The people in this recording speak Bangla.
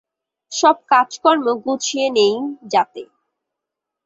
সব কাজকর্ম গুছিয়ে নেই যাতে।